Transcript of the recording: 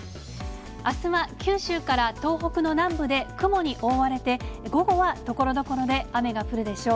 あすは九州から東北の南部で雲に覆われて、午後はところどころで雨が降るでしょう。